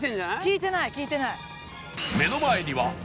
聞いてない聞いてない。